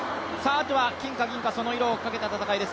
あとは金が銀か、その色をかけた戦いです。